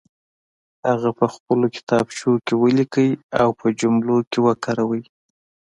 هغه په خپلو کتابچو کې ولیکئ او په جملو کې وکاروئ.